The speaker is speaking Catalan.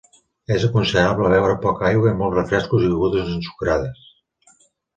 És aconsellable beure poca aigua i molts refrescos i begudes ensucrades.